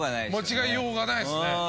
間違いようがないっすね。